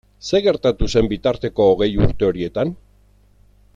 Zer gertatu zen bitarteko hogei urte horietan?